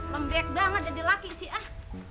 lembek banget jadi laki sih ah